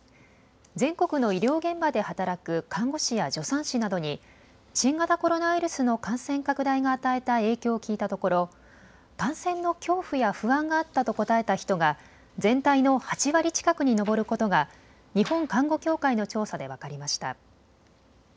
全国の医療現場で働く看護師や助産師などに新型コロナウイルスの感染拡大が与えた影響を聞いたところ感染の恐怖や不安があったと答えた人が全体の８割近くに上ることが日本看護協会の調査で分かりました。